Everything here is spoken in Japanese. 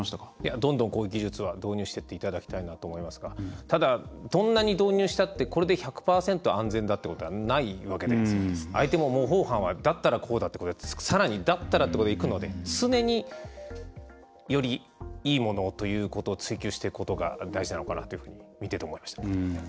どんどんこういう技術は導入していっていただきたいなと思いますがただ、どんなに導入したってこれで１００％安全だということはないわけで相手も、模倣犯はだったら、こうだとかさらにだったらっていうことでいくので常に、よりいいものということを追求していくことが大事なのかなと見てて思いました。